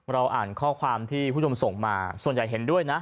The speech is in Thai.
อ่านข้อความที่คุณผู้ชมส่งมาส่วนใหญ่เห็นด้วยนะ